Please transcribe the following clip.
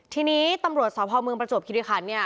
ทีนี้ตำรวจสาวภาวเมืองประจวบคิดวิทยาคารเนี่ย